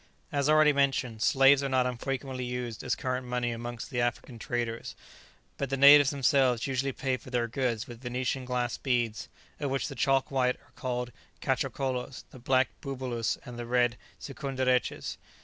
As already mentioned, slaves are not unfrequently used as current money amongst the African traders, but the natives themselves usually pay for their goods with Venetian glass beads, of which the chalk white are called catchokolos, the black bubulus, and the red sikunderetches.